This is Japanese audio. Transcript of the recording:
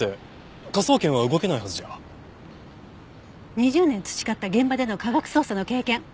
２０年培った現場での科学捜査の経験